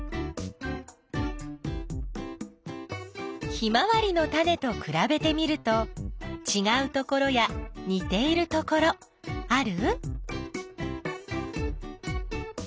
ヒマワリのタネとくらべてみるとちがうところやにているところある？